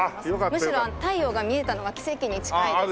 むしろ太陽が見えたのが奇跡に近いです。